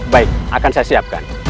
baik akan saya siapkan